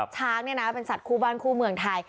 ช้างเนี่ยนะเป็นสัตว์คู่บ้านคู่เมืองไทย